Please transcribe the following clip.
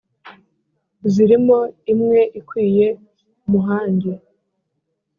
Zirimo imwe ikwiye umuhange,